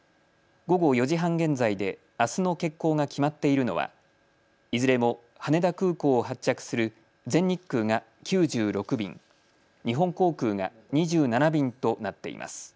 午後４時半現在で、あすの欠航が決まっているのはいずれも羽田空港を発着する全日空が９６便、日本航空が２７便となっています。